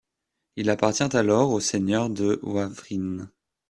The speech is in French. Il appartient alors aux seigneurs de Wavrin.